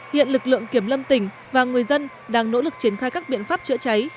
hiện lực lượng kiểm lâm tỉnh và người dân đang nỗ lực triển khai các biện pháp chữa cháy